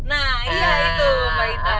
nah iya itu mbak itta